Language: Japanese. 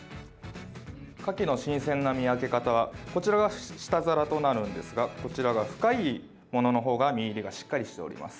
カキの新鮮な見分け方はこちらが下皿となるのですがこちらが深いもののほうが身入りがしっかりしております。